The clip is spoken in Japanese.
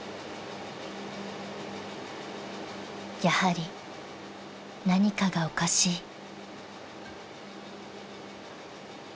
［やはり何かがおかしい］